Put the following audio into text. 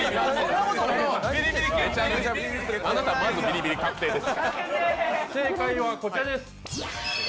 あなた、まずビリビリ確定です。